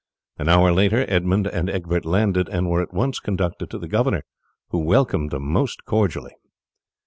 An hour later Edmund and Egbert landed and were at once conducted to the governor, who welcomed them cordially.